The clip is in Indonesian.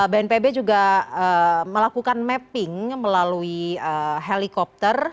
bnpb juga melakukan mapping melalui helikopter